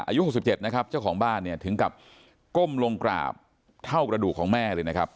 อายุ๖๗นะครับเจ้าของบ้านเนี่ยถึงกับก้มลงกราบเท่ากระดูกของแม่เลยนะครับ